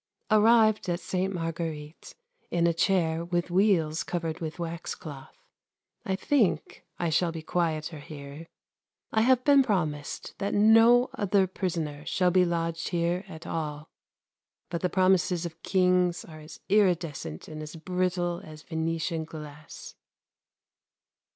Arrived at Sainte Marguerite in a chair with wheels covered with wax cloth. I think I shall be quieter here. I have been promised that no other prisoner shall be lodged here at all, but the promises of Kings are as iridescent and as brittle as Venetian glass.